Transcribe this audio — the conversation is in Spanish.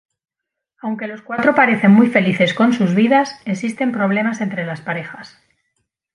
Aunque los cuatro parecen muy felices con sus vidas, existen problemas entre las parejas.